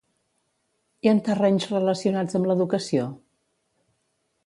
I en terrenys relacionats amb l'educació?